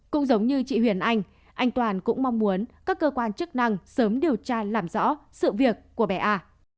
cũng giống như chị huyền anh anh toàn cũng mong muốn các cơ quan chức năng sớm điều tra làm rõ sự việc của bé a